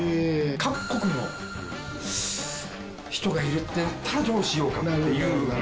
各国の人がいるってなったらどうしようかなっていう。